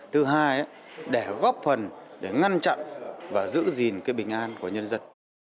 thứ hai để góp phần để ngăn chặn và giữ gìn cái bình an của nhân dân